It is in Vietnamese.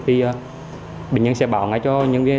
thì bệnh nhân sẽ bảo ngay cho nhân viên